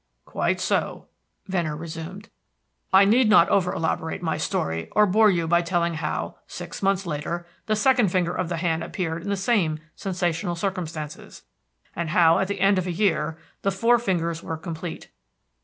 "Quite so," Venner resumed. "I need not over elaborate my story or bore you by telling how, six months later, the second finger of the hand appeared in the same sensational circumstances, and how, at the end of a year, the four fingers were complete.